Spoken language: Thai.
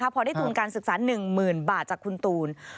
พอได้ทุนการศึกษา๑๐๐๐บาทจากคุณตูน